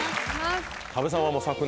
多部さんは昨年。